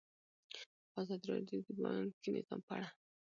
ازادي راډیو د بانکي نظام په اړه د غیر دولتي سازمانونو رول بیان کړی.